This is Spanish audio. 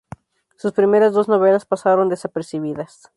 Sus primeras dos novelas pasaron desapercibidas.